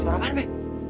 suara apaan be